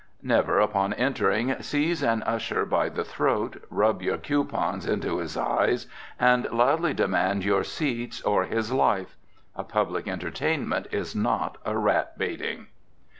Never, upon entering, seize an usher by the throat, rub your coupons into his eyes, and loudly demand your seats or his life. A public entertainment is not a rat baiting.